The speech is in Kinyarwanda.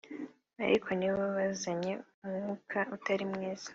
ariko ni bo bazanye umwuka utari mwiza